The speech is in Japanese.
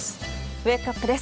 ウェークアップです。